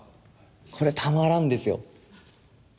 これたまらんですよ。